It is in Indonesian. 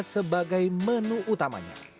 sebagai menu utamanya